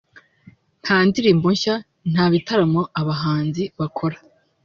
nta ndirimbo nshya nta n'ibitaramo aba bahanzi bakora